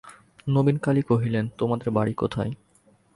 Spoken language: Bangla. নবীনকালী কহিলেন, তোমাদের বাড়ি কোথায়?